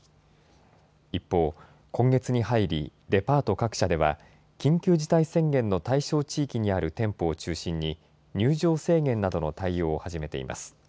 一方、今月に入り、デパート各社では、緊急事態宣言の対象地域にある店舗を中心に、入場制限などの対応を始めています。